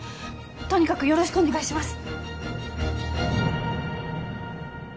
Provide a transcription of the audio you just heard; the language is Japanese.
とにかくよろしくお願いします。